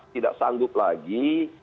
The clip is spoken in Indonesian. tidak sanggup lagi